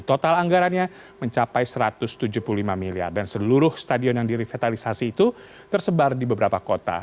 total anggarannya mencapai satu ratus tujuh puluh lima miliar dan seluruh stadion yang direvitalisasi itu tersebar di beberapa kota